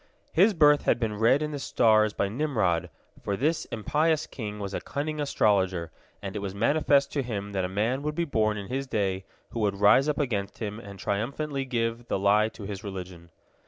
His birth had been read in the stars by Nimrod, for this impious king was a cunning astrologer, and it was manifest to him that a man would be born in his day who would rise up against him and triumphantly give the lie to his religion.